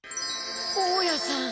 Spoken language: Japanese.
大家さん